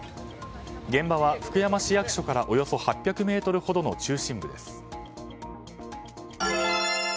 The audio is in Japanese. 現場は福山市役所からおよそ８００ｍほどの中心部です。